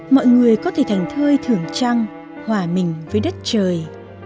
mọi người có thể thành thơi thường trăng hòa mình với đất trời